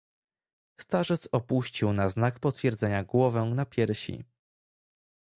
"Starzec opuścił na znak potwierdzenia głowę na piersi."